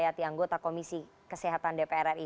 yang dianggota komisi kesehatan dpr ri